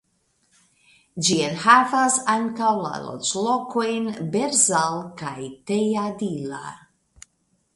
Ĝi enhavas ankaŭ la loĝlokojn Berzal kaj Tejadilla.